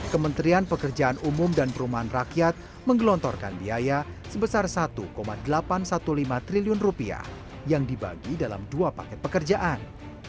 kementerian pekerjaan umum dan perumahan rakyat menggelontorkan biaya sebesar satu delapan ratus lima belas triliun yang dibagi dalam dua paket pekerjaan